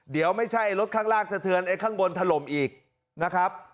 เดี๋ยวไม่ใช่รถข้างล่างสะเทือนไอ้ข้างบนถล่มอีกนะครับ